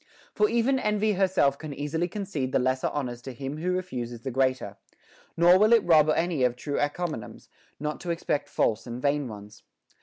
For even envy herself can easily concede the lesser honors to him who refuses the greater ; nor will it rob any of true en comiums, not to expect false and vain ones.